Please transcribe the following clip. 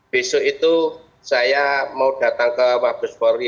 besok itu saya mau datang ke mabes polri